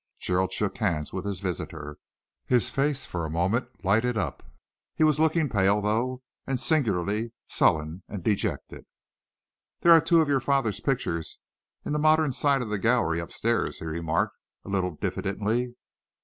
Gerald shook hands with his visitor. His face, for a moment, lighted up. He was looking pale, though, and singularly sullen and dejected. "There are two of your father's pictures in the modern side of the gallery up stairs," he remarked, a little diffidently.